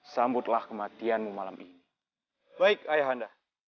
sambutlah kematianmu malam ini baik ayah anda